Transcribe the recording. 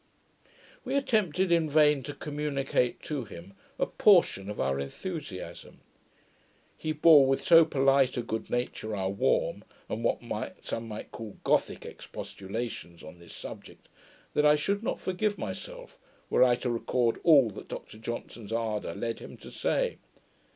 We attempted in vain to communicate to him a portion of our enthusiasm. He bore with so polite a good nature our warm, and what some might call Gothick, expostulations, on this subject, that I should not forgive myself, were I to record all that Dr Johnson's ardour led him to say.